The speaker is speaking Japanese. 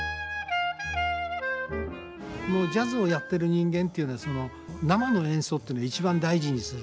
もうジャズをやってる人間っていうのはその生の演奏っていうのを一番大事にする。